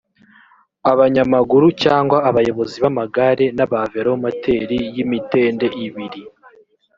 abanyamaguru cyangwa abayobozi b’amagare n’aba velomoteri y’ imitende ibiri